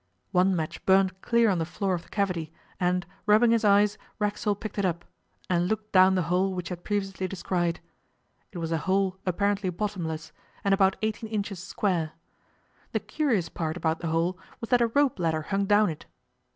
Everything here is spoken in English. One match burned clear on the floor of the cavity, and, rubbing his eyes, Racksole picked it up, and looked down the hole which he had previously descried. It was a hole apparently bottomless, and about eighteen inches square. The curious part about the hole was that a rope ladder hung down it.